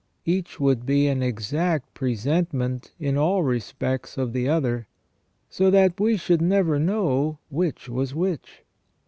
Each would be an exact presentment in all respects of the other, so that we should never know which was which.